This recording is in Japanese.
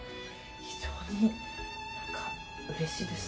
非常にうれしいです。